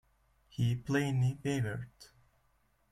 He plainly wavered.